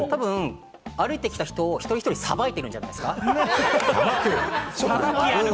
歩いてきた人を一人一人さばいてるんじゃないですか？